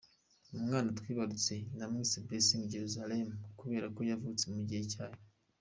Umwana twibarutse, namwise Blessing Jerusalem kubera ko yavutse mu gihe cyayo".